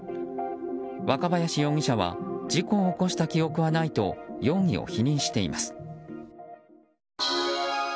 若林容疑者は事故を起こした記憶はないと容疑を否認しています。